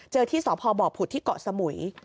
เจอที่สพบพุทธที่เกาะสมุย